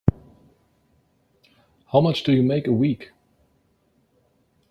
How much do you make a week?